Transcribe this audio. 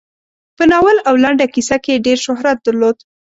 په ناول او لنډه کیسه کې یې ډېر شهرت درلود.